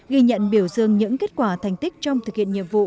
ghi nhận biểu dương những kết quả thành tích trong thực hiện nhiệm vụ